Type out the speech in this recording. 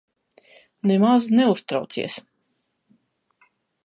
Nemaz neuztraucies.